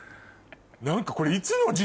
何かこれ。